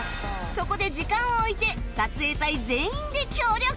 そこで時間を置いて撮影隊全員で協力！